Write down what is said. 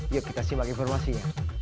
yuk kita simak informasinya